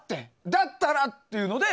だったらっていうので。